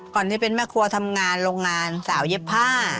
ที่เป็นแม่ครัวทำงานโรงงานสาวเย็บผ้า